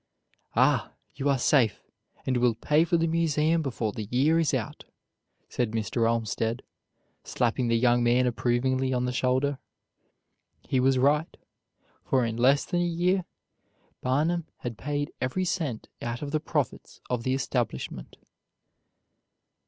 "Ah! you are safe, and will pay for the Museum before the year is out," said Mr. Olmstead, slapping the young man approvingly on the shoulder. He was right, for in less than a year Barnum had paid every cent out of the profits of the establishment.